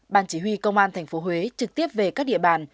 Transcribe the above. ban chỉ huy công an tp huế trực tiếp về các địa bàn